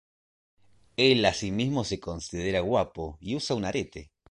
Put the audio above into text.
Él a sí mismo se considera guapo y usa un arete.